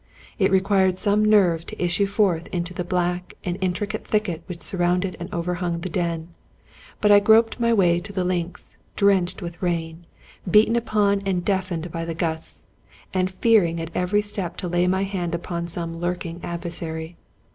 It required some nerve to issue forth into the black and in tricate thicket which surrounded and overhung the den; but I groped my way to the links, drenched with rain, beaten upon and deafened by the gusts, and fearing at every step to lay my hand upon some lurking adversary.